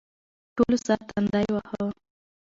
ټولو سر تندی واهه.